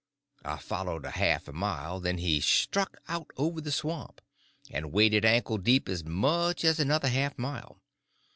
I followed a half a mile; then he struck out over the swamp, and waded ankle deep as much as another half mile.